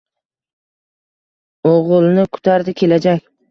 Oʼgʼilni kutardi kelajak.